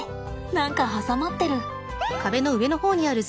何か挟まってる。